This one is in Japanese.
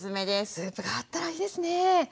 スープがあったらいいですね。